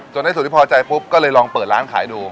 ในส่วนที่พอใจปุ๊บก็เลยลองเปิดร้านขายดู